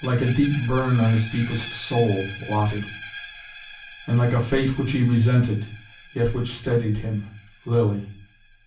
Like a deep burn on his deepest soul, Lottie. And like a fate which he resented, yet which steadied him, Lilly.